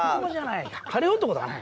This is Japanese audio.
晴れ男だね。